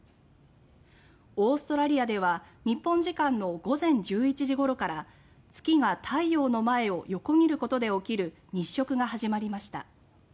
オーストラリアでは日本時間の午前１１時ごろから月が太陽の前を横切ることで起きる日食が始まりました。